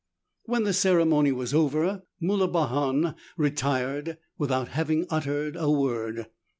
When the ceremony was over, Moulibahan retired without having uttered a word.